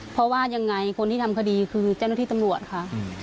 เพราะว่ายังไงคนที่ทำคดีคือเจ้าหน้าที่ตำรวจค่ะ